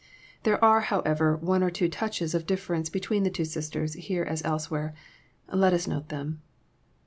There are, however, one or two touches of difl'er ence between the two sisters, here as elsewhere. Let us note them.